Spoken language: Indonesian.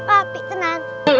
wah pik tenang